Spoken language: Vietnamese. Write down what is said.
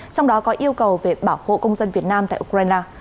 trong đó có yêu cầu về bảo hộ công dân việt nam tại ukraine